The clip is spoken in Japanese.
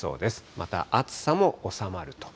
また暑さも収まると。